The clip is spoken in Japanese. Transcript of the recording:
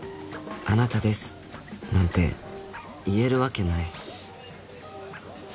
「あなたです」なんて言えるわけない・